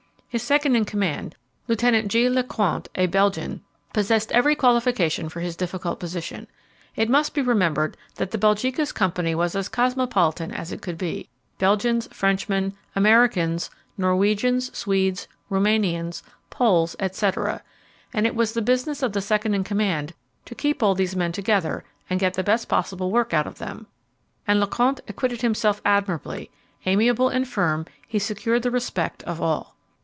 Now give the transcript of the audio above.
His second in command, Lieutenant G. Lecointe, a Belgian, possessed every qualification for his difficult position. It must be remembered that the Belgica's company was as cosmopolitan as it could be Belgians, Frenchmen, Americans, Norwegians, Swedes, Rumanians, Poles, etc. and it was the business of the second in command to keep all these men together and get the best possible work out of them. And Lecointe acquitted himself admirably; amiable and firm, he secured the respect of all.